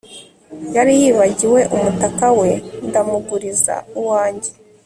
Yari yibagiwe umutaka we ndamuguriza uwanjye